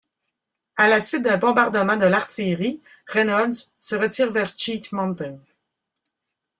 À la suite d'un bombardement de l'artillerie, Reynolds se retire vers Cheat Mountain.